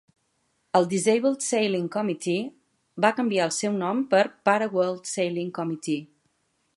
El Disabled Sailing Committee va canviar el seu nom per Para World Sailing Committee.